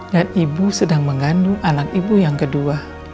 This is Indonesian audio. dan ibu sedang mengandung anak ibu yang kedua